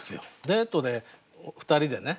デートで２人でね